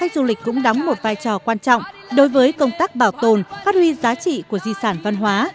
du lịch cũng đóng một vai trò quan trọng đối với công tác bảo tồn phát huy giá trị của di sản văn hóa